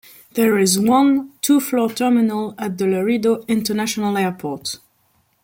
There is one, two-floor terminal at the Laredo International Airport.